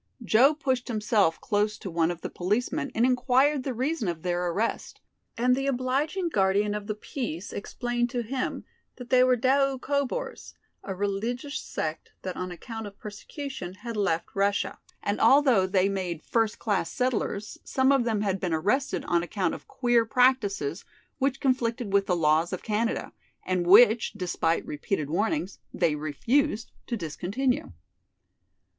Joe pushed himself close to one of the policemen and inquired the reason of their arrest, and the obliging guardian of the peace explained to him that they were "Doukhobors", a religious sect that on account of persecution had left Russia, and although they made first class settlers, some of them had been arrested on account of queer practices which conflicted with the laws of Canada, and which, despite repeated warnings, they refused to discontinue.